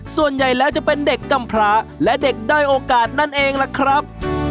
ส่วนใหญ่แล้วจะเป็นเด็กกำพระและเด็กด้อยโอกาสนั่นเองล่ะครับ